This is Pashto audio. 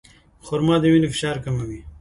خرما د وینې فشار کموي.